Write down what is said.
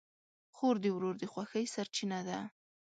خور د ورور د خوښۍ سرچینه ده.